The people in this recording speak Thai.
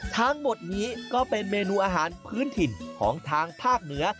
ทั้งหมดนี้ก็เป็นเมนูอาหารพื้นถิ่นของทางภาคเหนือ